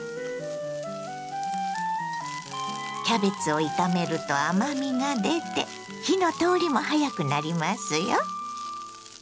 キャベツを炒めると甘みが出て火の通りも早くなりますよ。